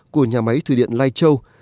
của nhà máy thủy điện lai châu